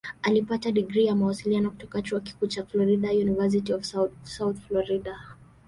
Alipata digrii ya Mawasiliano kutoka Chuo Kikuu cha Florida "University of South Florida".